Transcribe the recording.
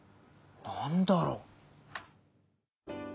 何だろう？